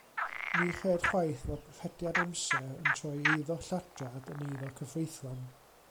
Ni chred chwaith fod rhediad amser yn troi eiddo lladrad yn eiddo cyfreithlon.